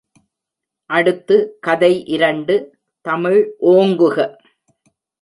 அடுத்து கதை இரண்டு தமிழ் ஓங்குக.